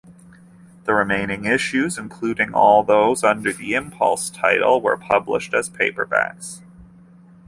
The remaining issues, including all those under the "Impulse" title, were published as paperbacks.